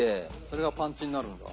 それがパンチになるんだ。